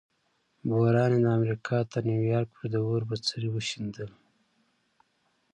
بحران یې د امریکا تر نیویارک پورې د اور بڅري وشیندل.